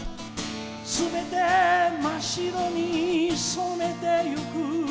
「全て真白に染めて行く」